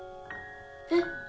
えっ。